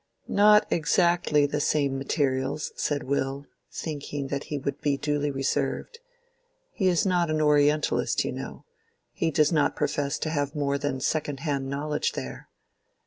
"Not exactly the same materials," said Will, thinking that he would be duly reserved. "He is not an Orientalist, you know. He does not profess to have more than second hand knowledge there."